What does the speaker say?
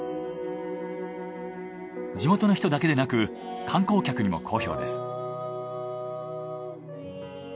地元の人だけでなく観光客にも好評です。